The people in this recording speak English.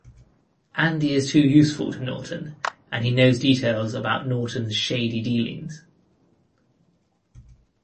Andy is too useful to Norton, and he knows details about Norton's shady dealings.